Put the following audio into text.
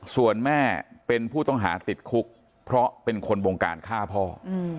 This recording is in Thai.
ส่วนแม่เป็นผู้ต้องหาติดคุกเพราะเป็นคนบงการฆ่าพ่อ